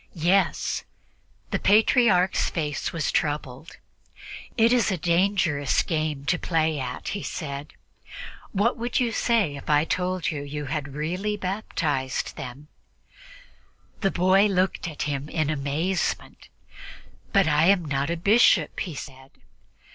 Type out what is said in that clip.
"Yes." The Patriarch's face was troubled. "It is a dangerous game to play at," he said. "What would you say if I told you that you had really baptized them?" The boy looked at him in amazement. "But I am not a bishop," he said.